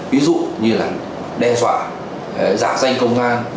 ví dụ như là đe dọa giả danh công an